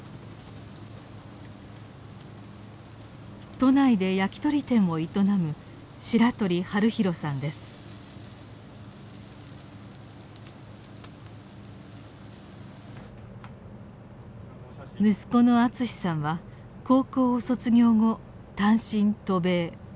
都内で焼き鳥店を営む息子の敦さんは高校を卒業後単身渡米。